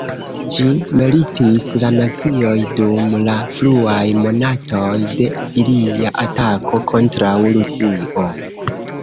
Ĝi meritis la naziojn dum la fruaj monatoj de ilia atako kontraŭ Rusio.